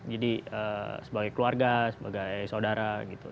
sebagai keluarga sebagai saudara gitu